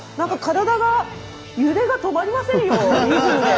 体が、揺れが止まりませんよ。